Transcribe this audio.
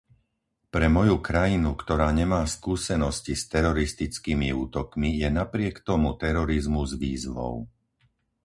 Pre moju krajinu, ktorá nemá skúsenosti s teroristickými útokmi, je napriek tomu terorizmus výzvou.